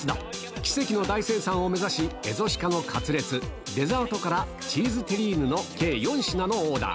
奇跡の大精算を目指し、蝦夷鹿のカツレツ、デザートから、チーズテリーヌの、計４品のオーダー。